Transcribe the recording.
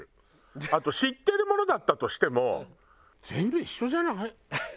あと知ってるものだったとしても全部一緒じゃない？